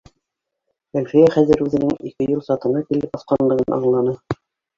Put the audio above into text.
Әлфиә хәҙер үҙенең ике юл сатына килеп баҫҡанлығын аңланы